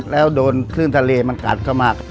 แล้วโดนคลื่นทะเลมันกัดเข้ามา